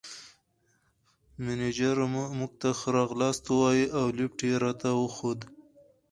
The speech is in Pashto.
مېنېجر موږ ته ښه راغلاست ووایه او لېفټ یې راته وښود.